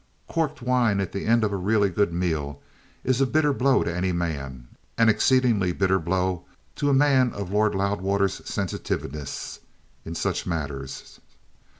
Corked wine at the end of a really good meal is a bitter blow to any man, an exceedingly bitter blow to a man of Lord Loudwater's sensitiveness in such matters.